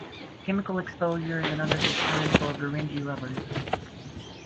Chemical exposure is another concern for Gorenje rubbers.